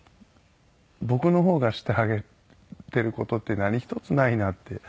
僕の方がしてあげてる事って何一つないなって。